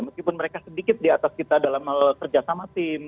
meskipun mereka sedikit di atas kita dalam kerjasama tim